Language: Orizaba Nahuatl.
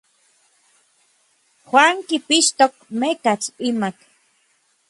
Juan kipixtok mekatl imak.